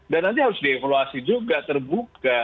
dan nanti harus dievaluasi juga terbuka